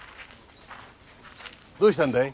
どうしたんだい。